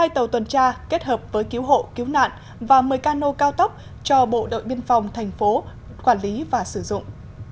hai tàu tuần tra kết hợp với cứu hộ cứu nạn và một mươi cano cao tốc cho bộ đội biên phòng thành phố quản lý và sử dụng